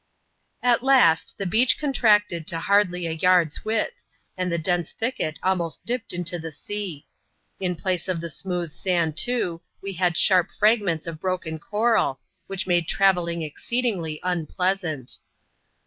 At last, the beach contracted to hardly a yard's widtih, and the dense thicket almost dipped into the sea. In place of the smooth sand, too, we had sharp fragments of broken coraI> which made travelling exceedingly unpleasant.